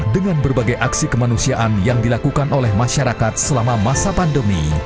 dengan berbagai aksi kemanusiaan yang dilakukan oleh masyarakat selama masa pandemi